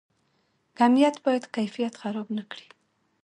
کمیت باید کیفیت خراب نکړي؟